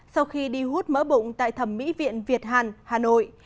sau khi đi hút mỡ bụng tại thẩm mỹ viện việt hàn hà nội